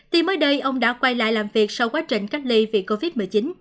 thì mới đây ông đã quay lại làm việc sau quá trình cách ly vì covid một mươi chín